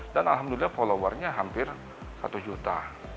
dan alhamdulillah followernya hampir satu juta